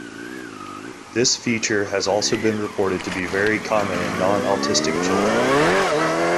This feature has also been reported to be very common in non-autistic children.